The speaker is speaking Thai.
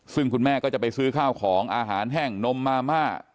ซึ่งคุณแม่ก็จะไปซื้อข้าวของอาหารแห้งนมมาม่า